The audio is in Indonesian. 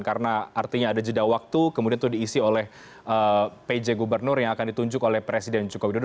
karena artinya ada jeda waktu kemudian itu diisi oleh pj gubernur yang akan ditunjuk oleh presiden joko widodo